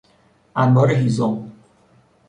انبار هیزم